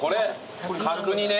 角煮ね。